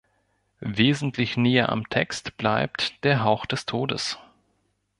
Wesentlich näher am Text bleibt "Der Hauch des Todes".